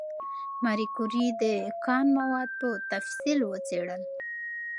ماري کوري د کان مواد په تفصیل وڅېړل.